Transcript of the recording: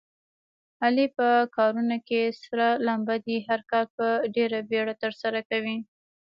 علي په کارونو کې سره لمبه دی. هر کار په ډېره بیړه ترسره کوي.